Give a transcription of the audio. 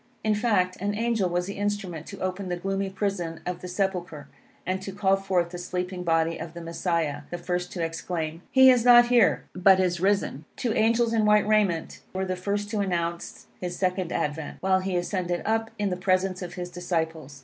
In fact, an angel was the instrument to open the gloomy prison of the sepulchre, and to call forth the sleeping body of the Messiah, the first to exclaim, "He is not here, but is risen." Two angels in white raiment, were the first to announce his second advent, while he ascended up in the presence of his disciples.